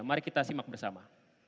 mari kita simak bersama